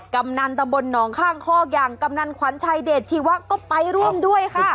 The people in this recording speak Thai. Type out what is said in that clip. กำนันตำบลหนองข้างคอกอย่างกำนันขวัญชัยเดชชีวะก็ไปร่วมด้วยค่ะ